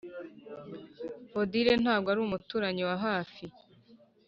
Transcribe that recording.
odile, ntago ari umuturanyi wa hafi, .